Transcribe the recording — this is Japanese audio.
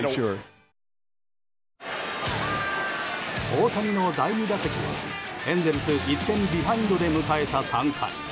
大谷の第２打席は、エンゼルス１点ビハインドで迎えた３回。